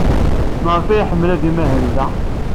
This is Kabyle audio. Maɣef ay iḥemmel ad imahel da?